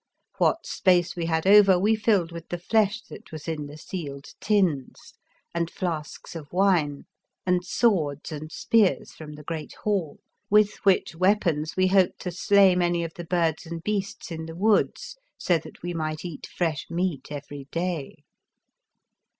What space we had over we filled with the flesh that was in the sealed tins, and flasks of wine, and swords and spears from the great hall, with which wea pons we hoped to slay many of the 1 02 The Fearsome Island birds and beasts in the woods, so that we might eat fresh meat every day.